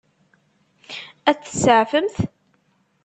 Ad t-tseɛfemt?